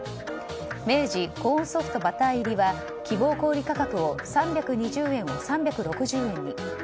明治コーンソフトバター入りは希望小売価格を３２０円を３６０円に。